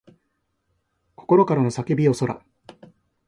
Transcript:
心からの叫びよそら